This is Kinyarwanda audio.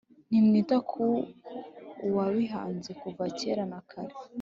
ntimwita ku Uwabihanze, kuva kera na kare.